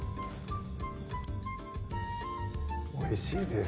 おいしいです